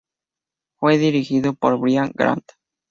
Fue dirigido por Brian Grant.